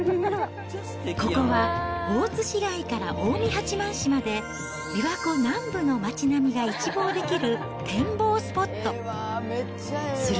ここは大津市街から近江八幡市まで、琵琶湖南部の街並みが一望できる展望スポット。